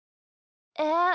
えっ？